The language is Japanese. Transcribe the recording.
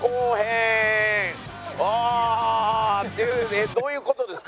えっどういう事ですか？